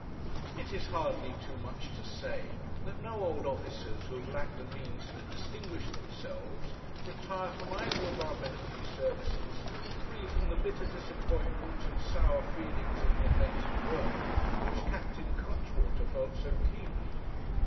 It is hardly too much to say, that no old officers who have lacked the means to distinguish themselves, retire from either of our military services, free from the bitter disappointment and sour feelings of neglected worth, which Captain Cuttwater felt so keenly.